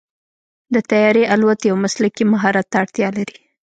د طیارې الوت یو مسلکي مهارت ته اړتیا لري.